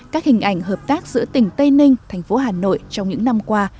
các hình ảnh hợp tác giữa tỉnh tây ninh thành phố hà nội trong những năm qua